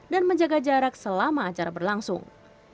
menjaga jarak selama acara berlangsung